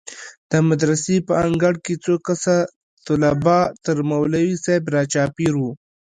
د مدرسې په انګړ کښې څو کسه طلبا تر مولوي صاحب راچاپېر وو.